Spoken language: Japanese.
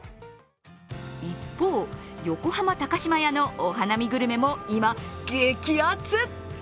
一方、横浜高島屋のお花見グルメも今、激アツ。